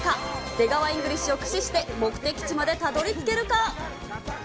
出川イングリッシュを駆使して、目的地までたどりつけるか。